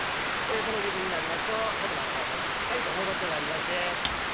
この時分になりますと言葉のほうもすっかりと戻ってまいりまして。